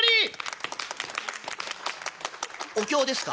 「お経ですか？」。